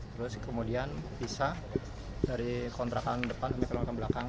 terus kemudian bisa dari kontrakan depan ke kontrakan belakang